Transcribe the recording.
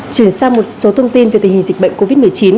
chuyển sang một số thông tin về tình hình dịch bệnh covid một mươi chín